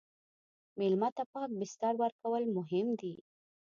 مېلمه ته پاک بستر ورکول مهم دي.